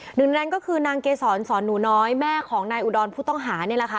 หนึ่งในนั้นก็คือนางเกษรสอนหนูน้อยแม่ของนายอุดรผู้ต้องหานี่แหละค่ะ